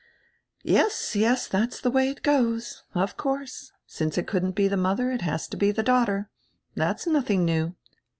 "Yes, yes, tiiat's die way it goes. Of course. Since it couldn't be die mother, it has to be die daughter. That's nodiing new.